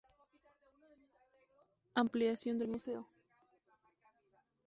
Ampliación del museo.